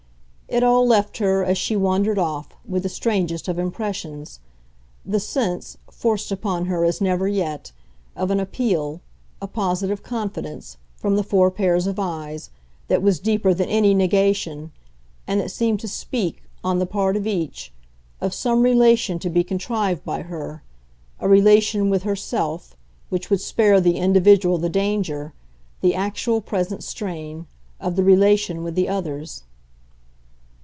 It all left her, as she wandered off, with the strangest of impressions the sense, forced upon her as never yet, of an appeal, a positive confidence, from the four pairs of eyes, that was deeper than any negation, and that seemed to speak, on the part of each, of some relation to be contrived by her, a relation with herself, which would spare the individual the danger, the actual present strain, of the relation with the others.